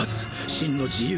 真の自由！